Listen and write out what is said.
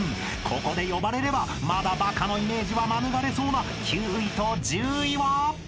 ［ここで呼ばれればまだバカのイメージは免れそうな９位と１０位は］